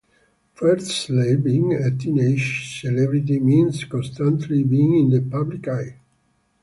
Firstly, being a teenage celebrity means constantly being in the public eye.